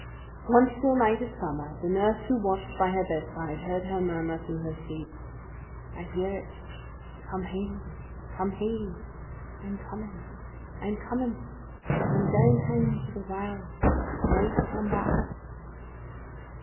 One still night of summer, the nurse who watched by her bedside heard her murmur through her sleep, "I hear it: come hame come hame. I'm comin', I'm comin' I'm gaein' hame to the wow, nae to come back."